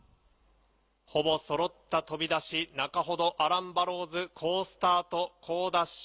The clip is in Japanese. ほぼそろった飛び出し、中程、アランバローズ、好スタート、好ダッシュ。